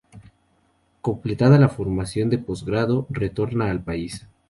Completada la formación de postgrado retorna al país.